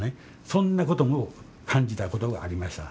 そんなことも感じたことがありました。